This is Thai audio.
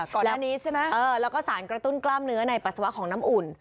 ก่อนหน้านี้ใช่ไหมแล้วก็สารกระตุ้นกล้ามเนื้อในปัสสาวะของน้ำอุ่น